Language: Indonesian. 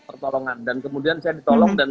pertolongan dan kemudian saya ditolong dan